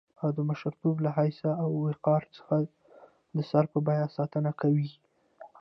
او د مشرتوب له حيثيت او وقار څخه د سر په بيه ساتنه کوي.